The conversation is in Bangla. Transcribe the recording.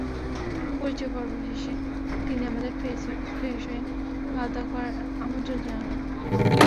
পরিচয় পর্ব শেষে তিনি আমাদের ফ্রেশ হয়ে খাওয়া-দাওয়া করার আমন্ত্রণ জানালেন।